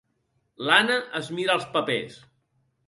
L'Anna es mira els papers.